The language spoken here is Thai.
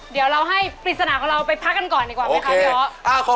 เดี๋ยวเราให้ปริศนาของเราไปพักกันก่อนดีกว่าไหมคะพี่อ๊อ